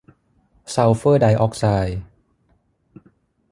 ซัลเฟอร์ไดออกไซด์